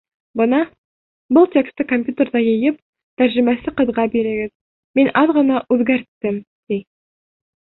— Бына, был тексты компьютерҙа йыйып, тәржемәсе ҡыҙға бирегеҙ, мин аҙ ғына үҙгәрттем, — ти.